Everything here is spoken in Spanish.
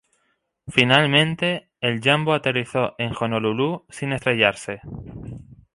Finalmente, el jumbo aterrizó en Honolulú sin estrellarse.